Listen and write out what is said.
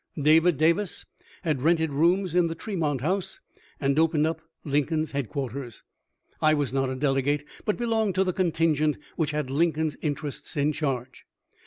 David Davis had rented rooms in the Tremont House and opened up " Lincoln's headquarters. " I was not a delegate, but belonged to the contingent which had Lincoln's interests in charge.